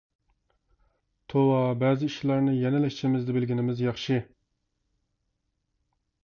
توۋا، بەزى ئىشلارنى يەنىلا ئىچىمىزدە بىلگىنىمىز ياخشى.